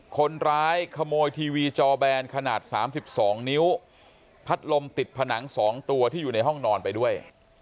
คนร้ายขโมยทีวีจอแบนขนาด๓๒นิ้วพัดลมติดผนัง๒ตัวที่อยู่ในห้องนอนไปด้วย